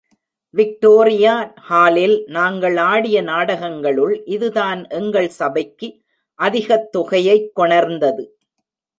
Victoria ஹாலில் நாங்கள் ஆடிய நாடகங்களுள் இதுதான் எங்கள் சபைக்கு அதிகத் தொகையைக் கொணர்ந்தது.